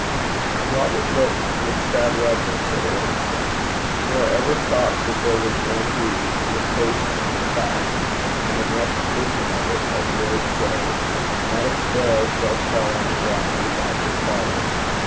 And Robert looked with sad reverence at Ericson, nor ever thought that there was one who, in the face of the fact, and in recognition of it, had dared say, 'Not a sparrow shall fall on the ground without your Father.'